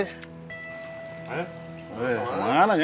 eh kemana ya